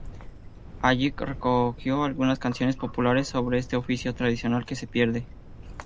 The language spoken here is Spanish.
Allí recogió algunas canciones populares sobre este oficio tradicional que se pierde.